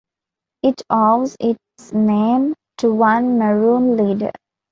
It owes its name to one maroon leader.